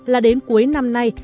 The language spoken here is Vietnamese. là đến cuối năm nay